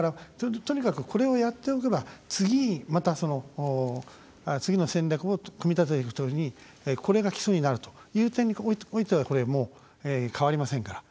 とにかく、これをやっておけば次に、また、次の戦略を組み立てていくときにこれが基礎になるという点においては変わりませんから。